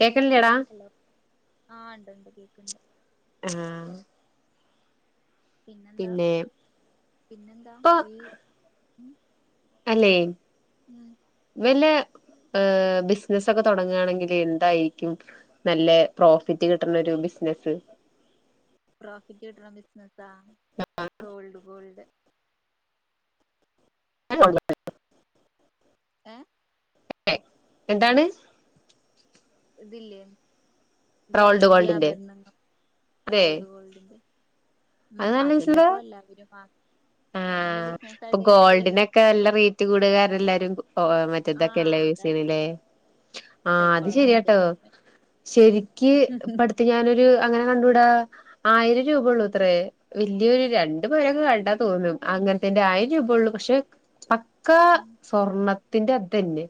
കേക്കണ്ല്ലേടാ hello ആണ്ട്ണ്ട് കേക്കുണ്ട് എസാ പിന്നെന്താ പിന്നെ പിന്നെന്താ ഇപ്പൊ ഈ ഉം അല്ലേ ഉം വല്യ ഏ ബിസിനസൊക്കെ തുടങ്ങാണെങ്കില് എന്തായിരിക്കും നല്ല പ്രോഫിറ്റ് കിട്ടണൊരു ബിസിനസ്സ് പ്രോഫിറ്റ് കിട്ടണ ബിസിനസ്സാ റൊൾഡ് ഗോൾഡ് [unintelligible] ഏ എ എന്താണ്? ഇതില്ലേ റോൾഡ് ഗ്യാരണ്ടി ഗോൾഡിന്റെ ആഭരണങ്ങൾ അതെ റോൾഡ് ഗോൾഡിന്റെ ഉം അതെല്ലപ്പൊ എല്ലാവരും വാങ് ആ ഇപ്പൊ ഗോൾഡിനൊക്കെ നല്ല മെന്റലി റേറ്റ് കൂടിയ കാരണം എല്ലാരും ഗോ മ ആഹ് റ്റേതൊക്കെല്ലേ യുസ് ചെയ്യു അതാണ് ണിലേ ആ അത് സൈക്കോളജിക്കൽ ശരിയാട്ടോ മൂവ്മെന്റ് ശരി ക്ക് ഇപ്പടുത്ത് ഞാനൊരു അങ്ങനെ കണ്ടു ടാ ആയിരം രൂപയ ഉള്ളൂ ത്രേ വലിയൊരു രണ്ട് ണ്ടു പവനോക്കെ കണ്ടാ തോന്നും അങ്ങനത്തിന്റെ ആയിരം രൂപ ഉള്ളൂ പക്ഷെ പക്ക ഉം സ്വർണത്തിന്റെ അത് തന്നെ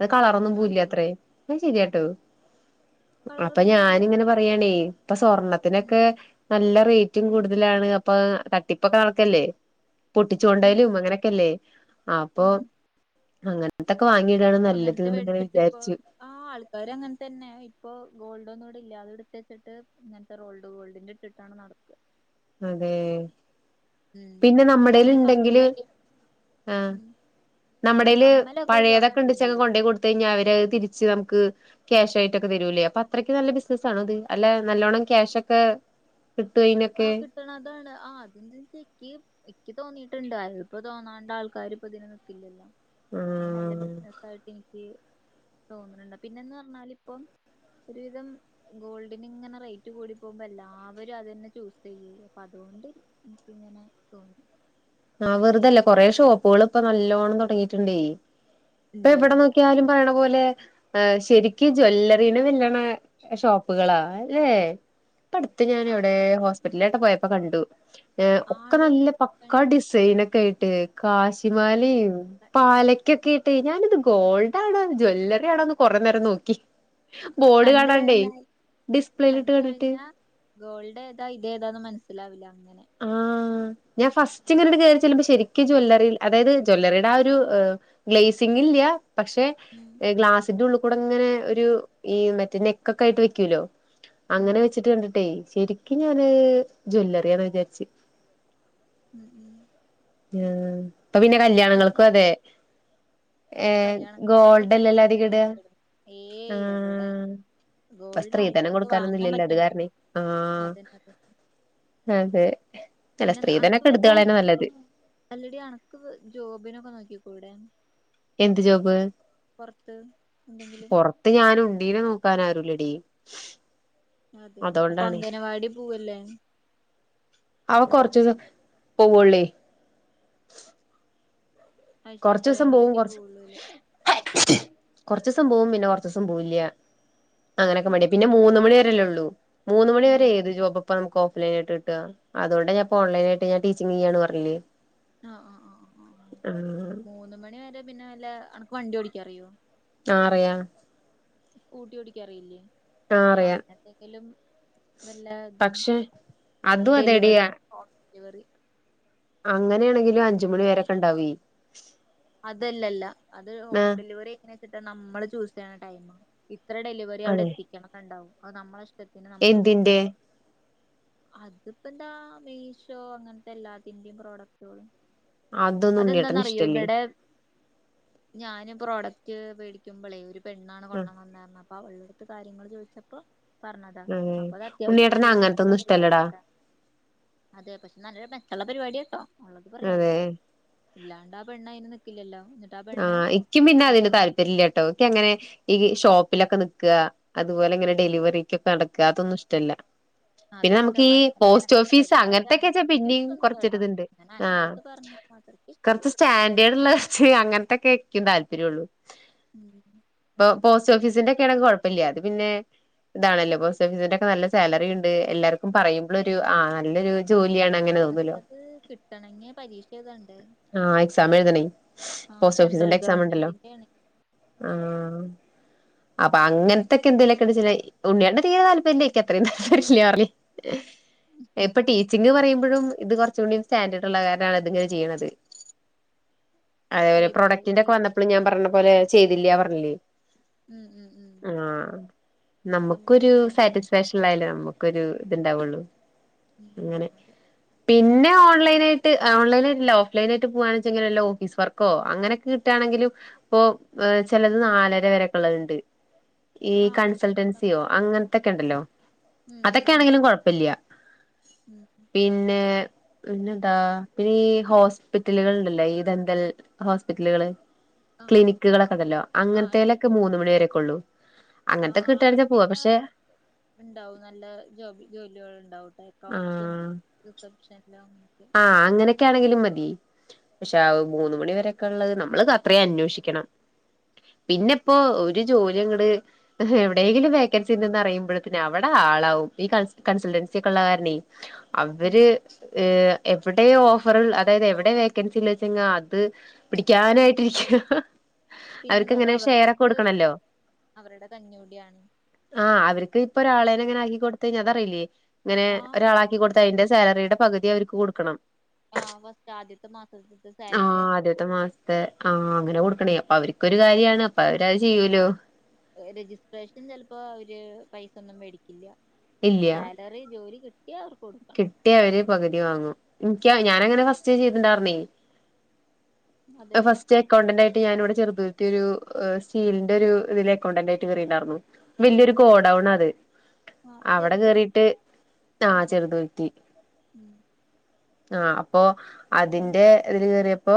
അത് കളറൊന്നും അതന്നെ പോവില്ല്യാത്രേ അത് ശരിയാട്ടോ അപ്പൊ കളറൊന്നും പോവില്ല ഞാനിങ്ങനെ പറയാണേ ഇപ്പൊ ഉം സ്വർണത്തിനൊക്കെ നല്ല റേ റ്റും ഉം കൂടുതലാണ് അപ്പൊ തട്ടിപ്പൊക്കെ നടക്കല്ലേ പൊട്ടിച്ചു ഉം കൊണ്ടേലും അങ്ങനെക്കെല്ലേ അപ്പൊ ഉം അങ്ങ ങ്ങൻതൊക്കെ വാങ്ങിയിടാണ് അങ്ങനത്തെ നല്ലതുന്ന് ഇങ്ങനെ മേടിച്ചിട്ട് ഇപ്പൊ വിചാരിച്ചു ആ ആൾക്കാര് അങ്ങനെ തന്നെ ഇപ്പൊ ഗോൾഡൊന്നുംഇടില്ല അത് എടുത്തുവെച്ചിട്ട് ഇങ്ങൻ റോൾഡ് ഗോൾഡിന്റെ ഇട്ടിട്ടാണ് നടക്കാ അതെ ഉം പിന്നെ പിന്നെ നമ്മടെല്ണ്ടെങ്കില് കമ്മല് ആ ഉം നമ്മടേല് കമ്മലൊക്കെ പഴേതൊക്കെ സ്വർണ്ണത്തിന്റെ ണ്ട്ച്ചഅത് ഇടും കൊണ്ടേ കൊട് ത്ത് കയ്ഞ്ഞ അവരെ തിരിച്ച് നമുക്ക് ക്യാഷായിട്ടൊക്കെ തരൂലേ അപ്പൊ അത്രക്ക് നല്ല ബിസിനസ്സാണൊ അത് അല്ല നല്ലോണ്ണം ക്യാഷ് ഒക്കെ കിട്ടോ അയിനൊക്കെ ക്കണ് അതാണ് ആ അതും [unintelligible] ഇക്ക് തോന്നീയിട്ടുണ്ട് [unintelligible] തോന്നാണ്ട ആൾക്കാര് ഇപ്പ ഇതിന് നിക്കില്ലല്ലോ. അയ് നല്ല ആഹ് ബിസിനസ് ആയിട്ട് എനിക്ക് തോന്ന്ണണ്ട്. പിന്നെന്ന് പറഞ്ഞാൽ ഇപ്പം ഒരുവിധം ഗോൾഡിന് ഇങ്ങനെ റേറ്റ് കൂടി പോവുമ്പോ എല്ലാവരു അതന്നെ ചൂസ് ചെയ്യുള്ളു അപ്പ അതോണ്ട് ഇൻക്ക് ഇങ്ങനെ തോന്നി. ആ വെറുതല്ല കൊറെ ഷോപ്പുകൾ ഇപ്പ നല്ലോണം തൊടങ്ങിയിട്ട്ണ്ടേ. ഇപ്പ ഇണ്ട് എവിടെ ഇണ്ട് നോക്കിയാലും അതും പറയണ പോലെ ആ ശെരിക്ക് ജ്വല്ലറീനെ വെല്ല്ണ ഷോപ്പുകളാ അല്ലേ. ഇപ്പ അട്ത്ത് ഞാന് എവിടേ അത് ഹോസ്പിറ്റലിലേട്ട പോയപ്പോ കണ്ടു. ഏഹ് ഒക്ക ആടോ നല്ല പ ഡിസൈന ഒക്കെ ആയിട്ട് കാശിമാലിം പാലക്കൊക്കെ ഇട്ട് ഞാനിത് ഗോൾഡ് ആണോ ജ്വല്ലറി ആണോന്ന് കൊറേ നേരം നോക്കി ബോർഡ് കണ്ട് കാണാണ്ടേ കഴിഞ്ഞാൽ ഡിസ്പ്ലേയിലിട്ട് കണ്ട് കണ്ടിട്ട് കഴിഞ്ഞാ ഗോൾഡ് ഏതാ ഇത ഏതാന്ന് മനസ്സിലാവില്ല അങ്ങനെ ആ ഞാൻ ഫസ്റ്റ് ഇങ്ങട്ടണ്ട് കേറി ചെല്ലുമ്പോ ശെരിക്ക് ജ്വല്ലറിയിൽ അതായത് ജ്വല്ലറിയുടെ ആ ഒര് ഏഹ് ഗ്ലെയസിംഗ് ഇല്ല. പക്ഷെ, ഉം ഏഹ് ഗ്ലാസിന്റെ ഉള്ള് കൂടെ ഇങ്ങനെ ഒരു ഈ മറ്റേ നെക്കൊക്കെ ആയിട്ട് വെക്കൂല്ലോ ഉം അങ്ങനെ വെച്ചിട്ട് കണ്ടിട്ടേ ശെരിക്കു ഞാന് അഹ് ജ്വല്ലറിയാന്ന വിചാരിച്ചെ. ഉം ഉം ആഹ് ഇപ്പ പിന്നെ കല്യാണങ്ങൾക്കു പിന്നെ അതെ, ഏഹ് കല്യാണത്തിനൊക്കെ ഗോൾഡ് അല്ലല്ലോ പെണ്ണിന്റെ അധിക ഇട് അങ്ങനത്തെ ഇടും ഏയ് എവിടെ ആഹ് ഇപ്പ ഗോൾഡ് സ്ത്രീധനം ആൾക്കാർക്ക് വാങ്ങാൻ കൊടുക്കാനൊന്നുല്ലല്ലോ അത് പറ്റണ്ടേ കാരണേ ആ അതന്നെ അതന്നെ അതെ ചെല പിന്നെ അനക്ക് സ്ത്രീധനൊക്കെ ഇട്ത്ത് വല്ല കളയിന്ന നല്ലത്. അല്ലടി അണക്ക് ജോബിനൊക്കെ നോക്കി കൂടെ എന്ത് ജോബ്? എന്തെങ്കിലും പൊറ ത്ത് ഞാന് ഉണ്ണീനെ നോക്കാനാരുല്ലെടി അതെ അപ്പ അംഗനവാടി പോവല്ലേ? അഹ് കൊർച്ചൂസം പോവുള്ളേ. ആഴ്ച കൊർച്ചൂസം പോവും എപ്പോഴെങ്കിലൊക്കെ കൊറച്ച് പോവുള്ളൂല്ലേ കൊറച്ചൂസം പോവും പിന്നെ കൊറച്ചൂസം പോവില്ല. അങ്ങനൊക്കെ മടി പിന്നെ മൂന്ന് മണി വരെയല്ലേള്ളൂ, മൂന്ന് മണി ഉം വരെ ഏത് ജോബ ഇപ്പം നമുക്ക് ഓഫ് ലൈനായിട്ട് കിട്ട്, അതുകൊണ്ട ഞാപ്പോ ഓൺലൈ നായിട്ട് ഞാൻ ടീച്ചിങ് ചെയ്യാണ് പർഞ്ഞിലെ. ആഹ് ആഹ് ആഹ് ആഹ് മൂന്ന് മണി വരെ പിന്നെ വല്ല അണക്ക് വണ്ടി ഓടിക്കാ അറിയോ? ആ അറിയാ സ്കൂട്ടി ഓടിക്കാറിയില്ലേ ആഹ് അപ്പൊ അറിയാ അങ്ങനെന്തെങ്കിലും വല്ലാ അതും പക്ഷെ അതും അതെടി ഡെലിവറി, ഹോം ഡെലിവറി. അങ്ങനെയാണെങ്കിലും അഞ്ചുമണി വരൊക്കെ ഇണ്ടാവ്. അതെല്ലല്ല അത് ഹോം ഡെലിവറി എങ്ങനെ വെച്ചിട്ട നമ്മള് ചൂസ് ചെയ്യണ ടൈമാ. ഇത്ര ഡെലിവറി അവിടെ അതെ എത്തിക്കണന്ന് ഇണ്ടാവും അത് നമ്മള ഇഷ്ടത്തിന് നമ്മള് പോ എന്തിന്റെ അത്പ്പഎന്താ മീഷോ അങ്ങൻത്തെ എല്ലാത്തിന്റെയും പ്രോഡക്റ്റുകളും. അതൊന്നും ഉണ്ണിയേട്ടന് അതെന്താന്നറിയോ ഇഷ്ടല്ലേ ഇവിടെ ഞാന് പ്രോഡക്റ്റ് വേടിക്കുമ്പളേ ഒരു പെണ്ണാണ് ആഹ് കൊണ്ട് വന്നേർഞ്ഞ ആ പെണ്ണെട്ത് കാര്യങ്ങങ്ങള് ചോദിച്ചപ്പോ പറഞ്ഞതാ അതെ അപ്പൊ അത് അത്യാവശ്യം ഉണ്ണിയേട്ടന് നല്ല മെച്ചള്ള അങ്ങനത്തൊന്നും ഇഷ്ടല്ലടാ പരിപാടിയാട്ടാ. അതെ, പക്ഷെ നല്ലൊരു മെച്ചുള്ള പരിപാടിട്ടോ ഉള്ളത് പറയാലോ അതെ അ ല്ലാണ്ട ആ പെണ്ണ് അയിന് നി ക്കില്ലല്ലോ ഇന്ന ആ ഇിക്കും പിന്നെ അതിന്റെ താല്പര്യമല്ല കേട്ടോ ഒക്കെ അങ്ങനെ ഈ ഷോപ്പിലൊക്കെ നിക്കുക അതുപോലെ ഇങ്ങനെ ഡെലിവറിക്കൊക്കെ നടക്കുക അതൊന്നും ഇഷ്ടമല്ല പിന്നെ അതൊക്കെ നമുക്ക് ഈ ഭയങ്കര പോസ്റ്റ് മെനക്കെട്ട ഓഫീസ് പരിപാടിയാണ് അങ്ങനത്തൊക്കെച്ചാ പിന്നെയും എനിക്കിഷ്ടൊന്നുല്ല കേട്ടാ കൊറച്ചരുതുണ്ട് ഞാൻ അന്റെ ആഹ അടുത്ത് പറഞ്ഞു അത്രക്ക് ഇഷ്ടല്ല കുറച്ച് സ്റ്റാൻഡേഡ് ഉള്ളച്ച് അങ്ങനത്തെക്കെ ഒക്കും താല്പര്യള്ളു ഉം ഇപ്പൊ പോസ്റ്റ് ഓഫീസിന്റെ ഒക്കെയാണെങ്കിൽ കുഴപ്പമില്ല അത് പിന്നെ ഇതാണല്ലേ പോസ്റ്റ് ഓഫീസിന്റെ ഒക്കെ നല്ല സാലറി ഉണ്ട് എല്ലാർക്കും പറയുമ്പോ ഒരു നല്ലൊരു ജോലിയാണ് അങ്ങന പക്കത് കിട്ടണെങ്കിയ പരീക്ഷ ഏതണ്ട് ആഹ എക്സാം എഴുതണേ പോസ്റ്റ് സെൻട്രൽ ഓഫീസിന്റെ എക്സാം ഉണ്ടല്ലോ ഗവൺമെന്റിന്റെ ആണ് ആ അപ്പൊ അങ്ങനത്തൊക്കെ എന്തേലുമൊക്കെണ്ടെ ഉണ്ണിയടെ തീരെ താല്പര്യംക്ക് അത്രയും തല്ര്ല്ലാേ ഇപ്പൊ ടീച്ചിങ്ന്ന് പറയുമ്പോഴും ഇത് കുറച്ച കൂടി സ്റ്റാൻഡേർഡ് ഉള്ള കാരാണ് ഇതിങ്ങനെ ചെയ്യണത് അതേപോലെ ഏത് പ്രൊഡക്ടിന്റെ ഒക്കെ വന്നപ്പോഴും ഞാൻ ടീച്ചിങ്ങിന്റെ പറഞ്ഞ പോലെ ചെയ്തില്ല പറഞ്ഞില്ലേ ഉം ഉം ഉം ആഹ അതും നമുക്കൊരു ഒരു സറ്റി സ്പെഷ്യൽ ആയാലേ നമുക്കൊരു ഇത്ണ്ടാവുള്ളൂ ഉം അങ്ങനെ അതെ പിന്നെ ഓൺലൈനായിട്ട് ഓൺലൈന ആല്ലോ അ്ലൈ ആയി പോവായാണെങ്കല്ല ഓഫീസ് വർക്കോ അങ്ങനൊക്കെ കട്ടുകയാണെങ്കും ഇപ്പോ ചിലത് നാലര വരക്കുള്ളത്ണ്ട് ഈ ആ കൺസൾട്ടൻസിയോ അങ്ങനത്തൊക്കെ ഉണ്ടല്ലോ ഉം ഉം ഉം അതൊക്കെയാണെങ്കിലും കൊഴപ്പില്ല ഉം പിന്നെ പിന്നെന്താ പിന്നോ ഹോസ് ഹോസ്പിറ്റലുകൾ ഉണ്ടല്ലേ ഈ ദന്തൽ ഹോസ്പിറ്റലുകള് ആ ക്ലിനിക്കുകളൊക്കെ അതല്ലോ ആ ഇണ്ട് അങ്ങനത്തേലൊക്കെ ഇണ്ട് ഇണ്ട് മൂന്ന് മണിവ വരെൊക്കെ ഉള്ളൂ ആ ആ അങ്ങനത്തൊക്കെ കിട്ടഴഞ്ഞാ അവിടെ പോവാ പിന്നെ പക്ഷെ ഉണ്ടാവും നല്ല ജോബി ജോലികൾ ഉണ്ടാവുംട്ടെ അക്കൗണ്ട്സും ആഹ് റിസപ്ഷനിലും അങ്ങക്കെ ആഹ് അങ്ങനെയൊക്കെ ആണെങ്കിലും മതി പക്ഷെ മൂന്ന മണി വരെെ ള്ളത് നമ്മൾ അത്രയും അന്വേഷിക്കണം പിന്നെ ഇപ്പോ ഒരു ജോലി ഇങ്ങട് എവിടെയെങ്കിലും വേക്കൻസി ഉണ്ടന്ന് അറിയുമ്പോഴത്തന്നെ അവിടെ ആളാവും ഈ കൺസൾട്ടൻസി ഒക്കെള്ള കാരണേ ഉം അവര് ഏ എവിടെ ഓഫർ അതായത് എവിടെ വേക്കൻസില്ല വെച്ചെങ്കാ അത് പിടിക്കാനായിട്ടിരിക്ക അവർക്ക് പിന്നെന്താ അത് ഇങ്ങനെ ഷെയർ ഒക്കെ അവർക്ക് കൊടുക്കണല്ലോ അവരുടെ കഞ്ഞൂടിയാണ് ആഹ് അവർക്ക് ഇപ്പൊ ഒരാളെനെ എങ്ങനെ ആക്കി കൊടുത്ത കഴിഞ്ഞാ അത അറിയില്ലേ അങ്ങനെ ആഹ് ഒരാളാക്കി പിന്നെന്താ കൊടുത്ത അതിന്റെ സാലറിയുടെ പകുതി അവർക്ക് കൊടുക്കണം ആ ഫസ്റ്റ് ആദ്യത്തെ മാസത്തിത്തെ സാലറി ആവും സ്‌റ്റ മാസത്തെ ആഹ് അങ്ങനെ കൊടുക്കണേ അപ്പൊ അവർക്ക്ൊരു കാര്യമാണ് അപ്പൊ അവര്ത് ചെയ്യൂല്ലോ രജിസ്ട്രേഷൻ ചിലപ്പോ അവര് പൈസൊന്നും മേടിക്കില്ല ഇല്ല്യ സാലറി ജോലി കിട്ടിയാ അവർക്ക് കൊടുക്കും കിട്ടിയഅവര് പകുതി വാങ്ങും എനിക്ക ഞാാനങ്ങനെ ഫസ്റ്റ് ചെയ്തിണ്ടരുന്നേ ഇപ്പോ അതെ ഫസ് അക്കൗണ്ടന്റ ആയിട്ട് ഞാന ഇവിടെ ചെറുതിരുത്തി ഒരു സീലിന്റെ ഒരു ഇതില് അക്കൗണ്ടന്റായിട്ട് കയറിയിണ്ടായിരുന്നു ഉം വലിയൊരു ഗോ ടൗണാണ് അത് ആഹ് അവിടെ ചെറുതുരുത്തി കേറിട്ട് ആ ഉം ചെറുതുരുത്തി ഉം അ അപ്പോ ഉം അതിന്റെ അപ്പൊ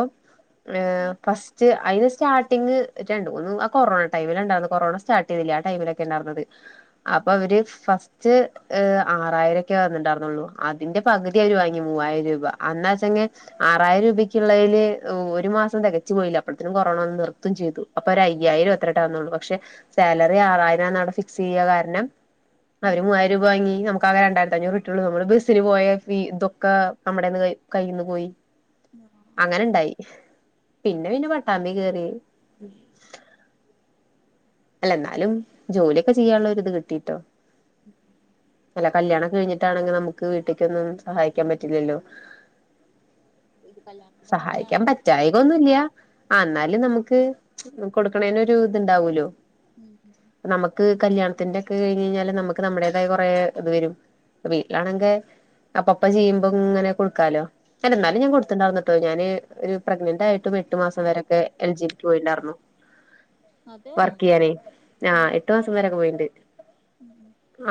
ഉം ഫസ്റ്റ് അതിന് സ്റ്റാർട്ടിംഗ് രണ്ട മൂന്നും ആ കൊറോണ ടമിലണ്ടായിരുന്നു കൊറോണ സ്റ്റാർ് ചെയ്തില്ല ആ ടൈമിലൊക്കെ ഉണ്ടായിരുന്നത് അപ്പൊ ഉം അവര് ഫസ്റ്റ് ആറായിര ക്ക്യാ അതുണ്ടാർന്നോള്ളു അതിന്റെ പകുതി അവര് വാങ്ങി മൂവായിരം രൂപ അന്നാ ച്ചെങ്കി ആറായിരം രൂപയ്ക്കുള്ളതില് ഒരു മാസം തികച്ചു പോയില്ല അപ്പോഴത്തനും കൊറോണന്ന് നിർത്തും ചെയ്തു അപ്പൊ ഒരഅയ്യായിരം എത്രട്ടാവുന്നോള്ളൂ പക്ഷെ സാലറി ആറായിരാനടെ ഫിക്സ് ചെയ്യ കാരണം ഉം അവര് മൂവായിര രൂപ വാങ്ങി നമുക്കാ കെരണ്ടായിരം കഴിഞ്ഞേ കിട്ടുയുള്ളൂ നമ്മള് ബസ്സിന് പോയ ഫി ഇതൊക്കെ നമ്മടെന്ന് കയി കയ്യിന്ന് പോയി ആഹ് അങ്ങനുണ്ടായി പിന്നെ പിന്നെ പട്ടാമ്പി കേറി അല്ല എന്നാലും ജോലിയൊക്കെ ചെയ്യാനുള്ള ഒരി ഇത് കിട്ടിട്ടോ [inaudible] അല്ല കല്യാണം കഴിഞ്ഞിട്ടാണെങ്കിൽ നമുക്ക് വീട്ടിക്കൊന്നും സഹായിക്കാ പറ്റില്ലല്ലോ ഇത് കല്യാണത്തിന് സഹായിക്കാൻ മുന്നാണോ പോയാർന്നെ പറ്റായക്കൊന്നുംല്ല അഹ് എന്നാലും നമുക്ക് കൊടുക്കണേന് ഒരു ഇത്ണ്ടാവൂല്ലോ ഉം ഹം നമുക്ക് കല്യാണത്തിന്റെ ഒക്കെ കഴിഞ്ഞ കഴിഞ്ഞാല് നമുക്ക് നമ്മുടേതായ കുറെ ഇത് വരും വീട്ടിലാണെങ്കിൽ അപ്പ അപ്പ ചെയ്യുമ്പോ ഇങ്ങനെ കൊടുക്കാലോ തന്നെ എന്നാലും ഉം ഞാൻ കൊടുത്തണ്ടാർന്നുട്ടോ ഞാന് ഒരു പ്രഗ്നന്റ് ആയിട്ടും എട്ട് മാസം വരെക്കെ എൽ ജിക്ക് പോയിട്ട്ണ്ടാർന്നു. അതെന്നെ കേറി ആ എട്ടു മാസം വരെക്കെ പോയിണ്ട് ഉം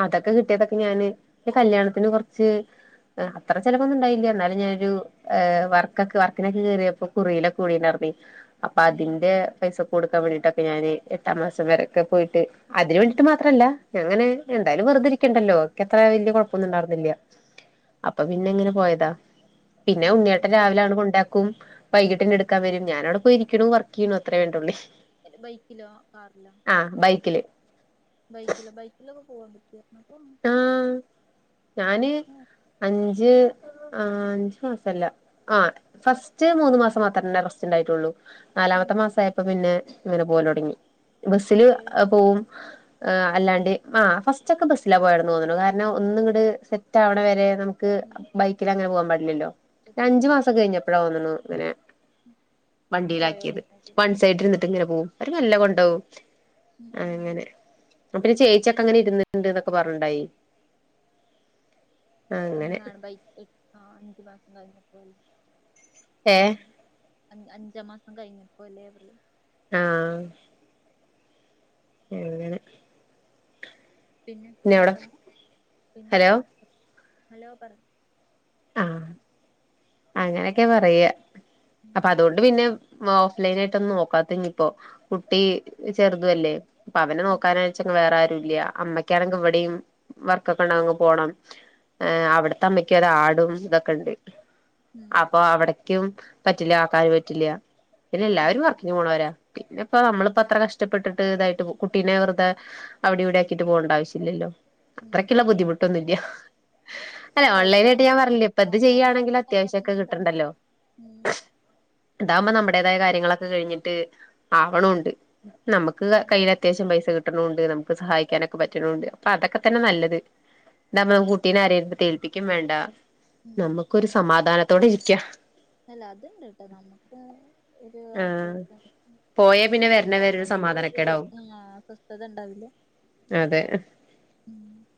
അതൊ ക്കെ കിട്ടിയതൊക്കെ ഞാന് ഈ കല്യാണത്തിന് കുറച്ച് ഉം അത്ര ചെലവോന്നും ഉണ്ടായില്ല എന്നാലും ഞാനൊരു ഏഹ് വർക്കൊക്കെ വർക്കിനൊക്കെ കേയറിയപ്പോ കുറിയിലൊ കൂടിണ്ടാർന്നേ അപ്പൊ ഉം അതിന്റെ പൈസ കൊടുക്കാൻ വേണ്ടിട്ടൊക്കെ ഞാന് എട്ടാം മാസം വരൊക്കെ പോയിട്ട് അതിന് വേണ്ടിട്ട് മാത്രല്ല ഞങ്ങനെ എന്തായാലും വെറുതെരിക് ക്കണ്ടല്ലോ എത്ര വലിയ കുഴപ്പൊന്നും ഉണ്ടായിരുന്നില്ല അപ്പൊ പിന്നെ എങ്ങനെ പോയതാ പിന്നെ ഉണ്ണ്യേട്ടൻ റസ് രാവിലെ അങ്ങ്ട് കൊണ്ടാക് കും വൈകിട്ടെന്നെ എടുക്കൻ വരും ഞാനവിടെ പോയി ഇരിക്കണുവർക്ക് ചെയ്യണു അത്രേ വേണ്ടുള്ളേ എത് ബൈക്കിലോ കാറിലോ ആ ബൈക്കില് ബൈക്കില് ബൈക്കിലൊക്കെ പോവാൻ പറ്റോ എത്നപ്പം പോ ആഹ് ഞാന് അഞ്ച് ആ അഞ്ചു മാസല്ല ആ ഫസ്റ്റ് മൂന്നു മാസം മാത്രേ തന്നെ അറസ്റ്റ് ഉണ്ടായിട്ടുള്ളു നാലാമത്തെ മാസ ആയപ്പോ പിന്നെ ഇങ്ങനെ പോല തുടങ്ങി ബസ്സില് അത് പോകും ആ അല്ലാണ്ട് ആ ഫസ്റ്റ് ഒക്കെ ബസ്സില പോയന്ന് തോന്നണു കാരണം ഒന്നും ഇങ്ങടെ സെറ്റ് ആവണ വരെ നമു ക്ക് ബൈക്കിൽ അങ്ങനെ പോകാൻ പാടില്ലല്ലോ പിന്നെ പറ്റില്ല അഞ്ചു മാസം കഴിഞ്ഞപ്പഴാന്നന്നു തോന്നുന്നു ഇങ്ങനെ വണ്ടിയിലാക്കിയത് പോയോടിഞ്ഞതിൽ വൺ സൈഡ് ഇരുന്നിട്ട് ഇങ്ങനെ പോകും അരു നല്ല കൊണ്ടോകും ഉം ഉം ഉം അങ്ങനെ അ പിന്നെ ചേച്ചിയൊക്കെ അങ്ങനെ ഇരുന്നിട്ടുണ്ട് ഒക്കെ പറഞ്ഞുണ്ടായി അങ്ങനെ എന്താണ് ബൈക്ക് എട്ട അഞ്ചു മാസം കഴിഞ്ഞപ്പോലെ ഏ അഞ്ച് അഞ്ചാം മാസം കഴിഞ്ഞപ്പോ അല്ലേ അവര് ആഹ് അങ്ങനെ പിന്നെ ഹലോ ഹലോ പിന്നെന്താ ഹലോ പറ ആഹ് അങ്ങനെയൊക്കെയാ പറയ അപ്പൊ ഉം അതോണ്ട് പിന്നെ ഓഫ്ലൈൻായിട്ടൊന്നും നോക്കാത്തെ ഇഞ്ഞിഇപ്പോ കുട്ടി ചെറുതു അല്ലേ അപ്പൊ അവനെ ഉം നോക്കാനാഴച്ച വേറെ ആരും ഇല്ല അമ്മക്ക് ക്കാണെങ്കി ഇവിടെയും വർക്കൊക്കെ ഉണ്ടങ്ങ് പോണം അവിടത്തെ അമ്മയ്ക്കൊരാട് ടും ഇതൊക്കെണ്ട് ഉം അപ്പൊ അവിടക്കും പറ്റില്ല ആക്കാന് പറ്റില്ല പിന്നെ ഉം എല്ലാവരും വർക്കിന് പോണരാ പിന്നെ ഇപ്പ നമ്മളിപ്പ അത്ര കഷ്ടപ്പെട്ടിട്ട് ഇതായിട്ട് കുട്ടീനെ വെറുതെ അവിടെ ഇവിടെ ആക്കിട്ട് പോകണ്ട ആവശ്യല്ലല്ലോ ഉം അത്രക്കുള്ള ബുദ്ധിമുട്ടൊന്നുംല്ല അല്ലെ അല്ല ഓൺലൈന ഞാൻ പറഞ്ഞില്ലേ ഇപ്പൊ ആ ഇത് ചെയ്യുകയാണെങ്കിൽ ക്ലൈനായിട്ടുണ്ടെങ്കി അത്യാവശ്യാ ക്കെ പിന്നെന്താ കിട്ടണ്ടല്ലോ ഉം ഇതകുമ്പോ നമ്മുടേതായ കാര്യങ്ങളൊക്കെ കഴിഞ്ഞിട്ട് ആവണ ഉണ്ട് നമ്മുക്ക് ഉം കയ്യില അത്യാവശ്യം പൈസ കിട്ടണമണ്ട് നമുക്ക് സഹായിക്കാനൊക്കെ പറ്റണണ്ട് അപ്പൊ അതൊക്കെ തന്നെ നല്ലത് ഇതാമ്പം കുട്ടീനെ അരെയടുത്തേൽപ്പിക്കും വേണ്ട ഉം നമുക്കൊരു സമാധാനത്തോടെ ഇരിക്കാം അല്ല അത്ണ്ട്ട്ടോ നമ്മുക്ക് ഒരു ആഹ് ആശ്വാസം പോയാ പിന്നെ അത് വരണ വരെ പോണോർക്ക് ഒരു സമാധാനക്കേടാവും സ്വസ്ഥത ഉണ്ടാവില്ല അതെ ഉം